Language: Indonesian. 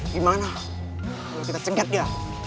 gimana kalau kita cengket ya